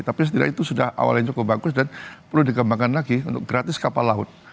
tapi setidaknya itu sudah awalnya cukup bagus dan perlu dikembangkan lagi untuk gratis kapal laut